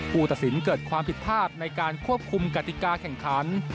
ผู้ตัดสินเกิดความผิดพลาดในการควบคุมกติกาแข่งขัน